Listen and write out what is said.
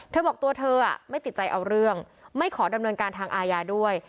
บอกตัวเธอไม่ติดใจเอาเรื่องไม่ขอดำเนินการทางอาญาด้วย